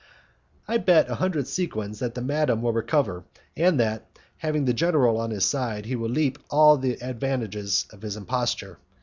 "I bet a hundred sequins that the madman will recover, and that, having the general on his side, he will reap all the advantages of his imposture.